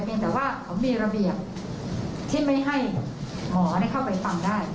เพียงแต่ว่ามีระเบียบที่ไม่ให้หมอได้เข้าไปฟังได้